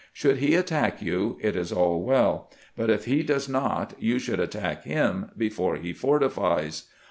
Should he attack you, it is all weU; but if he does not, you should attack him before he fortifies.